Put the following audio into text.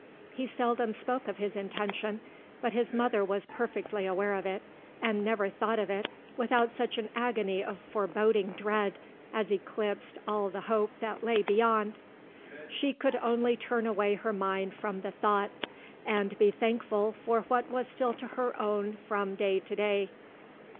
He seldom spoke of his intention, but his mother was perfectly aware of it, and never thought of it without such an agony of foreboding dread as eclipsed all the hope that lay beyond. She could only turn away her mind from the thought, and be thankful for what was still her own from day to day.